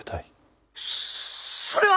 それは！